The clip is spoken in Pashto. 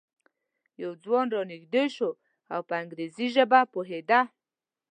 یو ځوان را نږدې شو او په انګریزي ژبه پوهېده.